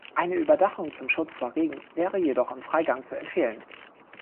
Eine Überdachung zum Schutz vor Regen, wäre jedoch im Freigang zu empfehlen.